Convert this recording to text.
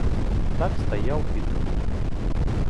Так стаяў і думаў.